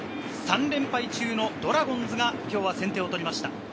３連敗中のドラゴンズが今日は先手を取りました。